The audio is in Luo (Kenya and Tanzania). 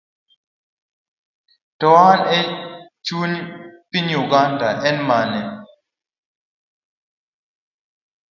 Taon ma en chuny piny Uganda en mane?